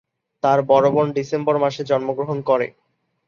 তার বড় বোন ডিসেম্বর মাসে জন্মগ্রহণ করে।